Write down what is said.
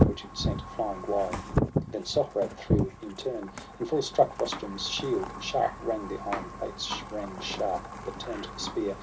Which it sent flying wide; — then Sohrab threw In turn, and full struck Rustum's shield; sharp rang. The iron plates rang sharp, but turn'd the spear.